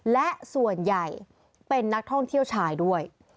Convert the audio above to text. และส่วนใหญ่เป็นนักท่องเที่ยวชายด้วย